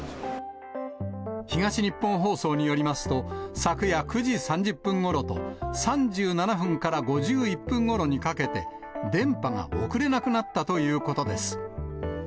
東日本放送によりますと、昨夜９時３０分ごろと、３７分から５１分ごろにかけて、電波が送れなくなったということです。